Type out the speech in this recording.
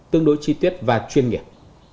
tương đối chi tiết và chuyên nghiệp